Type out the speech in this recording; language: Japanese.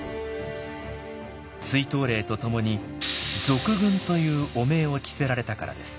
追討令とともに賊軍という汚名を着せられたからです。